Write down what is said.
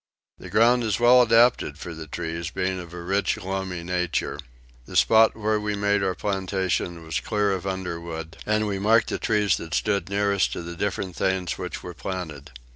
The ground is well adapted for the trees, being of a rich loamy nature. The spot where we made our plantation was clear of underwood; and we marked the trees that stood nearest to the different things which were planted.